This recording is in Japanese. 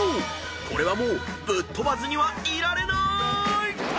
これはもうぶっ飛ばずにはいられなーい！］